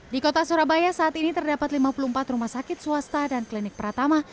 di kota surabaya saat ini terdapat lima puluh empat rumah sakit swasta dan klinik pratama